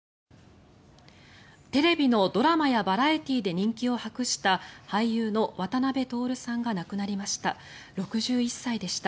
テレビのドラマやバラエティーで人気を博した俳優の渡辺徹さんが亡くなりました。